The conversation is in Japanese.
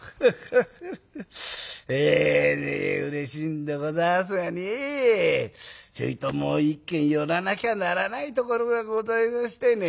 「ハハハハ。えうれしいんでございますがねちょいともう一軒寄らなきゃならないところがございましてね」。